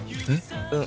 「うん」